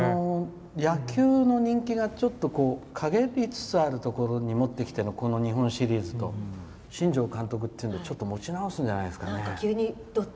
野球の人気が、ちょっとかげりつつあるところに持ってきてのこの日本シリーズと新庄監督というのはちょっと持ち直すんじゃないですかね。